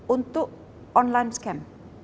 untuk online scam